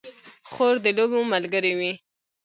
خور د لوبو ملګرې وي.